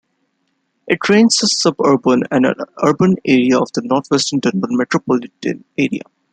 It drains a suburban and urban area of the northwestern Denver Metropolitan Area.